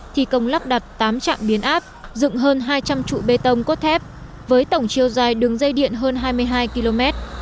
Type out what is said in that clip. thi công lắp đặt tám trạm biến áp dựng hơn hai trăm linh trụ bê tông cốt thép với tổng chiều dài đường dây điện hơn hai mươi hai km